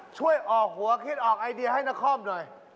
ช่วยออกหัวคิดออกไอเดียให้นครหน่อย